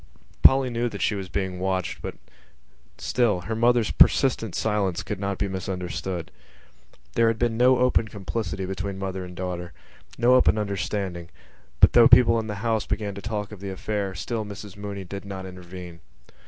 Polly knew that she was being watched, but still her mother's persistent silence could not be misunderstood. There had been no open complicity between mother and daughter, no open understanding but, though people in the house began to talk of the affair, still Mrs Mooney did not intervene.